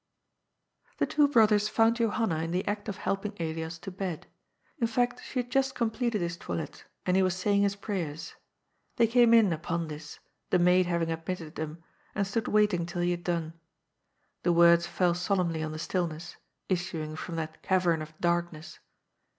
The two brothers found Johanna in the act of helping Elias to bed. In fact, she had just completed his toilet ; and he was saying his prayers. They came in upon this, the maid having admitted them, and stood waiting till he had done. The wordi^fell solemnly on the stillness, issuing from that cavern of darkness.